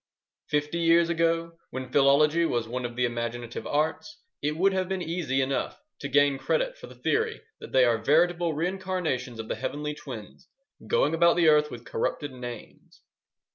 Fifty years ago, when philology was one of the imaginative arts, it would have been easy enough to gain credit for the theory that they are veritable reincarnations of the Heavenly Twins going about the earth with corrupted names.